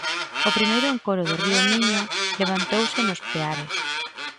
O primeiro encoro do río Miño levantouse nos Peares.